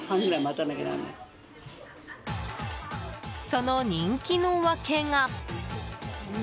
その人気の訳が。